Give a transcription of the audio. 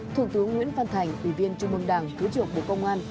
thủ tướng nguyễn phan thành ủy viên trung mương đảng cứu trưởng bộ công an